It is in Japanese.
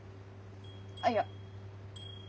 ああいや。